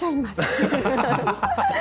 アハハハ！